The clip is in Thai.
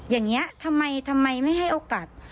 อย่างนี้ทำไมไม่ให้โอกาส